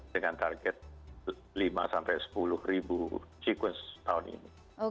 dengan target lima sampai sepuluh ribu sequence tahun ini